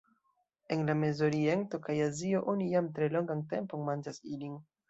En la Mezoriento kaj Azio oni jam tre longan tempon manĝas ilin.